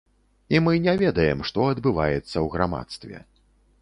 І мы не ведаем, што адбываецца ў грамадстве.